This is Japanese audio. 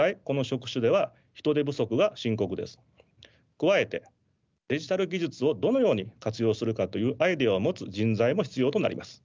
加えてデジタル技術をどのように活用するかというアイデアを持つ人材も必要となります。